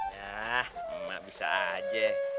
yah emak bisa aja